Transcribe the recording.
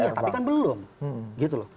iya tapi kan belum gitu loh